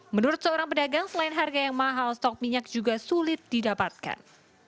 menurut seorang pedagang selain harga yang mahal stok minyak juga sulit didapatkan